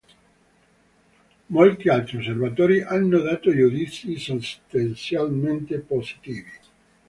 Molti altri osservatori hanno dato giudizi sostanzialmente positivi.